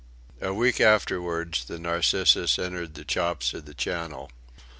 A week afterwards the Narcissus entered the chops of the Channel.